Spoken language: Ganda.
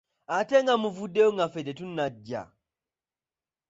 Ate nga muvuddeyo nga ffe tetunajja?